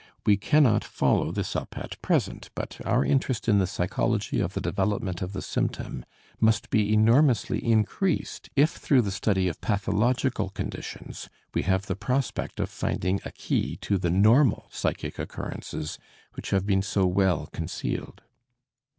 We cannot follow this up at present, but our interest in the psychology of the development of the symptom must be enormously increased if through the study of pathological conditions we have the prospect of finding a key to the normal psychic occurrences which have been so well concealed.